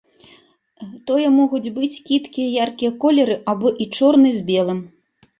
Тое могуць быць кідкія яркія колеры або і чорны з белым.